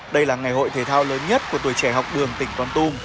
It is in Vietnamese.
đây là ngày hội thể thao lớn nhất của tuổi trẻ học